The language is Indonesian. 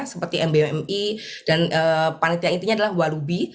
seperti mbmi dan panitia intinya adalah walubi